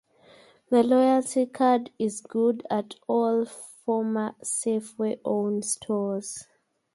The loyalty card is good at all former Safeway-owned stores.